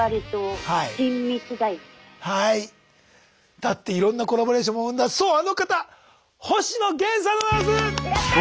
だっていろんなコラボレーションも生んだそうあの方星野源さんでございます！